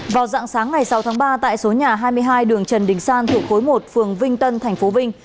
vào dạng sáng ngày sáu tháng ba tại số nhà hai mươi hai đường trần đình san thuộc khối một phường vinh tân tp vinh